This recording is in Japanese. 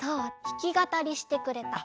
ひきがたりしてくれた。